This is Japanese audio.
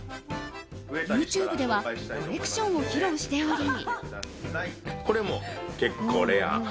ＹｏｕＴｕｂｅではコレクションを披露しており。